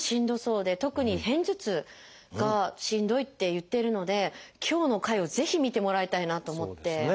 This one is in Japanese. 特に片頭痛がしんどいって言っているので今日の回をぜひ見てもらいたいなと思って。